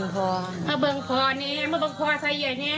ค่ะอ่ะ